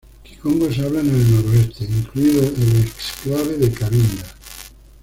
Kikongo se habla en el noroeste, incluido el exclave de Cabinda.